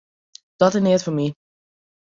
Dat is neat foar my.